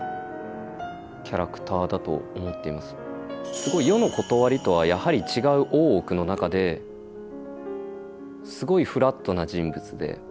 すごい世のことわりとはやはり違う大奥の中ですごいフラットな人物で。